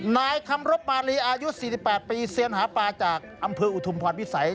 นายคำรบมารีอายุ๔๘ปีเซียนหาปลาจากอำเภออุทุมพรวิสัย